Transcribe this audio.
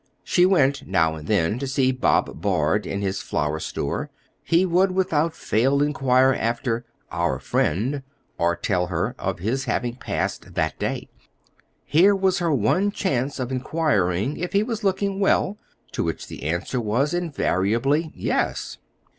She went now and then to see Bob Bard in his flower store; he would without fail inquire after "our friend" or tell her of his having passed that day. Here was her one chance of inquiring if he was looking well, to which the answer was invariably "yes."